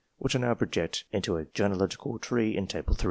which I now project into a genealogical tree in Table III.